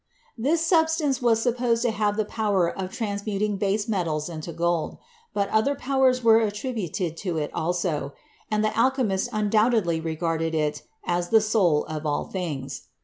This substance was supposed to have the power of transmuting base metals into gold; but other powers were attributed to it also, and the alchemist un doubtedly regarded it as "the soul of all things."